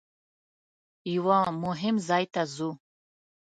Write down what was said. یوه مهم ځای ته ځو.